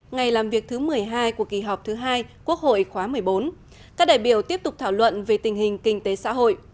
ngày làm việc thứ một mươi hai của kỳ họp thứ hai quốc hội khóa một mươi bốn các đại biểu tiếp tục thảo luận về tình hình kinh tế xã hội